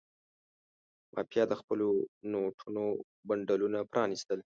مافیا د خپلو نوټونو بنډلونه پرانستل.